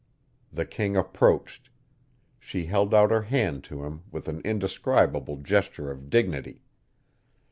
The king approached; she held out her hand to him with an indescribable gesture of dignity.